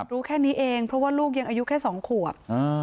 รู้แค่นี้เองเพราะว่าลูกยังอายุแค่๒ขวบ